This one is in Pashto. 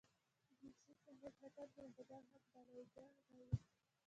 او د منشي صېب وطن پريښودل هم بلاوجه نه وو